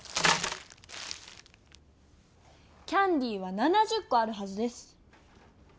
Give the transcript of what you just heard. キャンディーは７０コあるはずです。